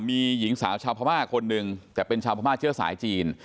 มีหญิงสาวชาวพม่าคนหนึ่งแต่เป็นชาวพม่าเชื้อสายจีน